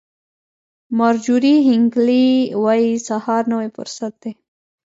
مارجوري هینکلي وایي سهار نوی فرصت دی.